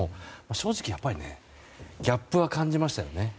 正直、やっぱりギャップは感じましたよね。